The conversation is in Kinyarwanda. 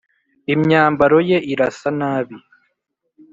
Imyambaro ye irasa nabi.